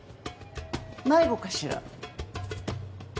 迷子かしら。